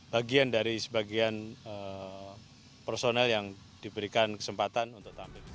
bagian dari sebagian personel yang diberikan kesempatan untuk tampil